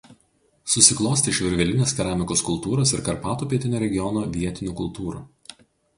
Susiklostė iš virvelinės keramikos kultūros ir Karpatų pietinio regiono vietinių kultūrų.